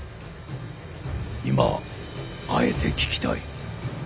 今あえて聞きたい。